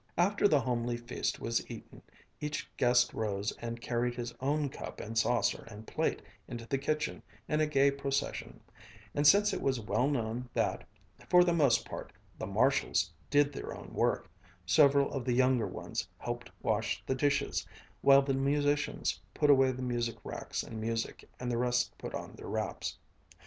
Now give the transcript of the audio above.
After the homely feast was eaten, each guest rose and carried his own cup and saucer and plate into the kitchen in a gay procession, and since it was well known that, for the most part, the Marshalls "did their own work," several of the younger ones helped wash the dishes, while the musicians put away the music racks and music, and the rest put on their wraps.